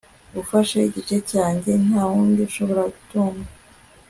ufashe igice cyanjye ntawundi ushobora gutunga